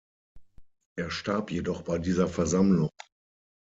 Er starb jedoch bei dieser Versammlung.